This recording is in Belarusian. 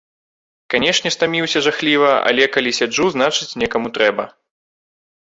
Канечне, стаміўся жахліва, але, калі сяджу, значыць, гэта некаму трэба.